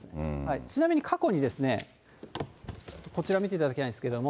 ちなみに過去に、こちら見ていただきたいんですけれども。